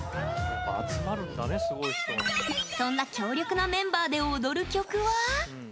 そんな強力なメンバーで踊る曲は。